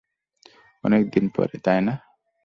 অনেক দিন পরে, না?